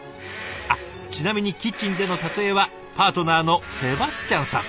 あっちなみにキッチンでの撮影はパートナーのセバスチャンさん。